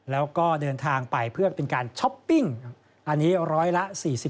แล้วก็เดินทางไปเพื่อเป็นการช้อปปิ้งอันนี้ร้อยละ๔๐